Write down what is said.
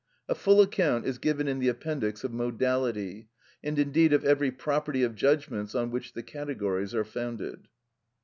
A full account is given in the Appendix of "Modality," and indeed of every property of judgments on which the categories are founded.